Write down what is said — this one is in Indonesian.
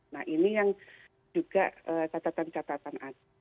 nah ini yang juga catatan catatan